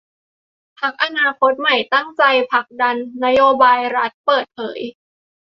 พรรคอนาคตใหม่ตั้งใจผลักดันนโยบายรัฐเปิดเผย